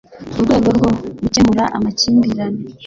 Urwego rwo gukemura amakimbirane